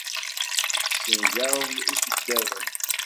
Tessengareḍ ikeddaben.